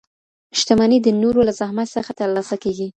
شتمني د نورو له زحمت څخه ترلاسه کیږي.